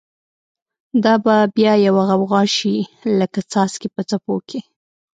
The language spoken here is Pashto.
دا به بیا یوه غوغا شی، لکه څاڅکی په څپو کی